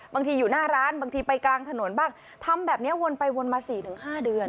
อยู่หน้าร้านบางทีไปกลางถนนบ้างทำแบบนี้วนไปวนมา๔๕เดือน